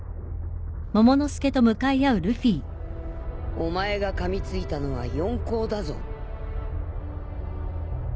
お前がかみついたのは四皇だぞ。